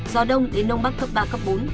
gió đông đến đông bắc cấp ba cấp bốn